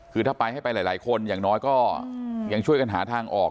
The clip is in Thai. คือถ้าไปให้ไปหลายคนอย่างน้อยก็ยังช่วยกันหาทางออก